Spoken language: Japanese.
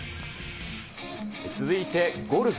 続いてゴルフ。